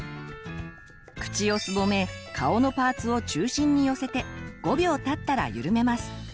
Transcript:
口をすぼめ顔のパーツを中心に寄せて５秒たったらゆるめます。